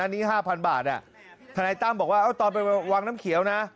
อันนี้๕๐๐บาทธนายตั้มบอกว่าตอนไปวังน้ำเขียวนะ